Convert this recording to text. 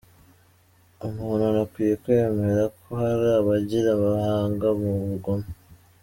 Umuntu anakwiye kwemera ko hari abagira ubuhanga mu bugome.